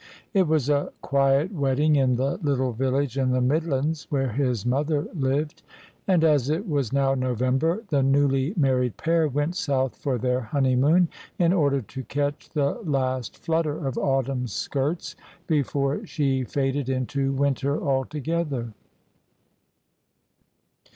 It was a quiet wedding in the little village in the Midlands where his mother lived: and as it was now November, the newly married pair went south for their honeymoon, in order to catch the last flutter of autumn's skirts before she faded into winter altogether.